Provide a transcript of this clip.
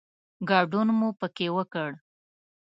ګډون مو پکې وکړ.